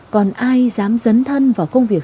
còn ai dám dấn thân vào công việc